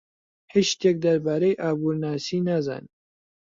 هیچ شتێک دەربارەی ئابوورناسی نازانم.